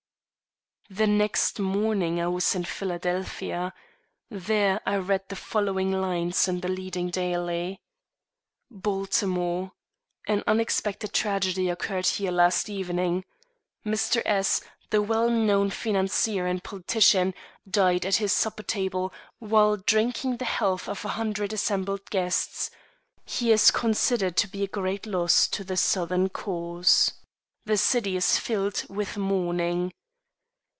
The next morning I was in Philadelphia. There I read the following lines in the leading daily: "Baltimore, Md. An unexpected tragedy occurred here last evening. Mr. S , the well known financier and politician, died at his supper table, while drinking the health of a hundred assembled guests. He is considered to be a great loss to the Southern cause. The city is filled with mourning."